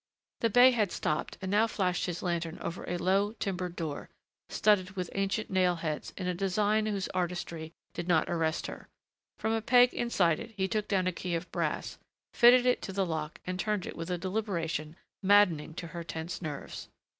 The bey had stopped and now flashed his lantern over a low, timbered door, studded with ancient nail heads in a design whose artistry did not arrest her. From a peg beside it he took down a key of brass, fitted it to the lock and turned it with a deliberation maddening to her tense nerves.